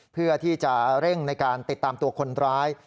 เพื่อที่จะเร่งในการติดตามตัวคนร้าย